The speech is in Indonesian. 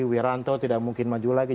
wiranto tidak mungkin maju lagi